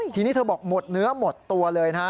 ทีนี้เธอบอกหมดเนื้อหมดตัวเลยนะฮะ